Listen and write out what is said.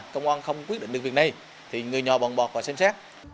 công an không quyết định được việc này thì người nhà bọn bọt và xem xét